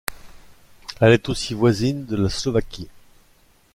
Elle est aussi voisine de la Slovaquie.